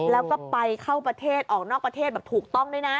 แล้วก็ไปเข้าประเทศออกนอกประเทศแบบถูกต้องด้วยนะ